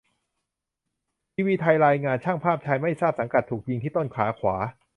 ทีวีไทยรายงาน ช่างภาพชายไม่ทราบสังกัดถูกยิงที่ต้นขาขวา